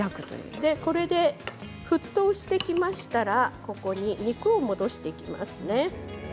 沸騰してきましたらここに肉を戻していきますね。